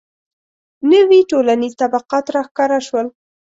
• نوي ټولنیز طبقات راښکاره شول.